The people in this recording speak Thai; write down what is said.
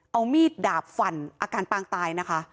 เอามีดดาบฝั่นอาการปางตายนะคะ